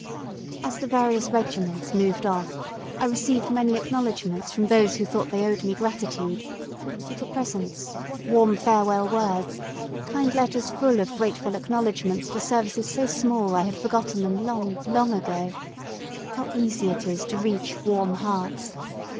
As the various regiments moved off, I received many acknowledgments from those who thought they owed me gratitude. Little presents, warm farewell words, kind letters full of grateful acknowledgments for services so small that I had forgotten them long, long ago how easy it is to reach warm hearts!